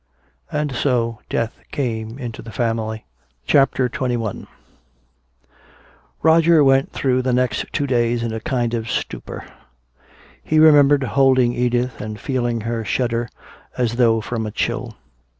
And so death came into the family. CHAPTER XXI Roger went through the next two days in a kind of a stupor. He remembered holding Edith and feeling her shudder as though from a chill.